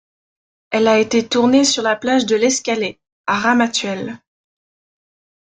Elle a été tournée sur la plage de l'Escalet, à Ramatuelle.